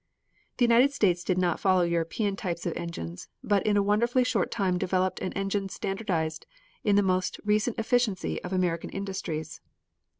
The United States did not follow European types of engines, but in a wonderfully short time developed an engine standardized in the most recent efficiency of American industries.